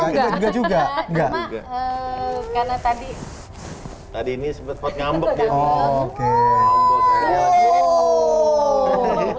tadi ini sempat ngambek